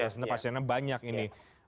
sebenarnya pasiennya banyak ini